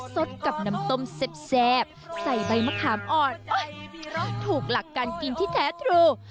สดกับน้ำต้มแซ่บใส่ใบมะขามอ่อนเพราะถูกหลักการกินที่แท้ทรู